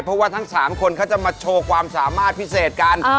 เพราะว่าทั้ง๓คนเขาจะมาโชว์ความสามารถพิเศษกัน